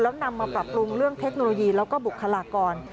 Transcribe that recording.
แล้วนำมาปรับปรุงเรื่องเทคโนโลยีแล้วก็บุคลากร